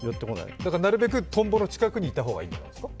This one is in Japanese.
だからなるべくトンボの近くにいた方がいいんじゃないですか。